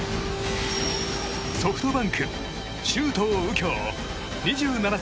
ソフトバンク周東佑京、２７歳。